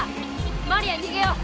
マリアにげよう！